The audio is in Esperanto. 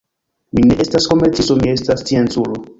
Mi ne estas komercisto; mi estas scienculo.